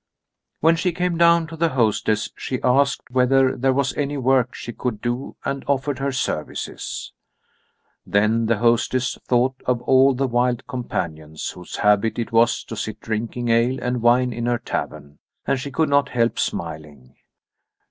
When she came down to the hostess she asked whether there was any work she could do, and offered her services. Then the hostess thought of all the wild companions whose habit it was to sit drinking ale and wine in her tavern, and she could not help smiling.